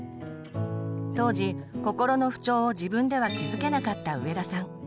当時心の不調を自分では気づけなかった上田さん。